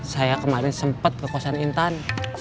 saya kemarin sempat ke kosan intan